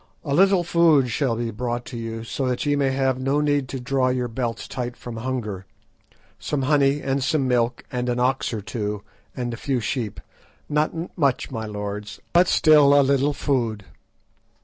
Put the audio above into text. A little food shall be brought to you, so that ye may have no need to draw your belts tight from hunger; some honey and some milk, and an ox or two, and a few sheep; not much, my lords, but still a little food."